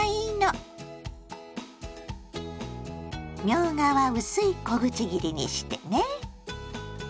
みょうがは薄い小口切りにしてね。